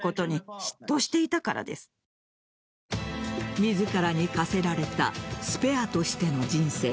自らに課せられたスペアとしての人生。